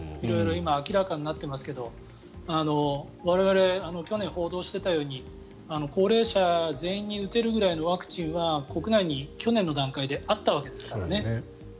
色々、今明らかになってますけど我々、去年報道していたように高齢者全員に打てるぐらいのワクチンは国内に去年の段階であったわけですからね。